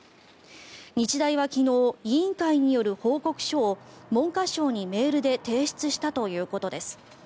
日大は昨日委員会による報告書を文科省にメールで提出したということです。